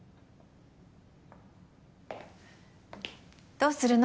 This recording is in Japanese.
・どうするの？